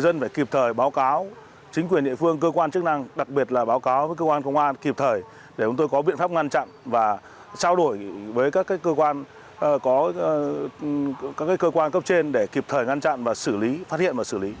dân phải kịp thời báo cáo chính quyền địa phương cơ quan chức năng đặc biệt là báo cáo với cơ quan công an kịp thời để chúng tôi có biện pháp ngăn chặn và trao đổi với các cơ quan có các cơ quan cấp trên để kịp thời ngăn chặn và xử lý phát hiện và xử lý